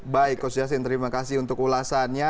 baik coach yassin terima kasih untuk ulasannya